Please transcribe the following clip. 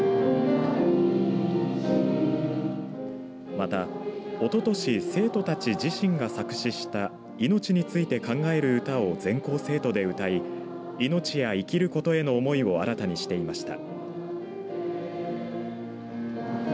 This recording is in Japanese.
また、おととし生徒たち自身が作詞した命について考える歌を全校生徒で歌い命や生きることへの思いを新たにしていました。